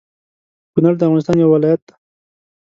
کونړ د افغانستان يو ولايت دى